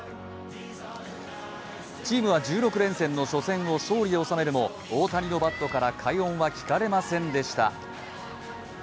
チームは１６連戦の初戦を勝利で納めるも大谷のバットから快音は聞かれませんでした。